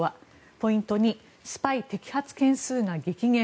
ポイント２、スパイ摘発件数が激減。